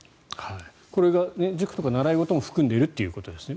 これが塾とか習い事も含んでいるということですね。